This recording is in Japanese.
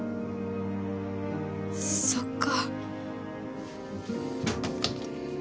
そっか。